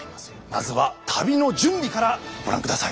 まずは旅の準備からご覧下さい。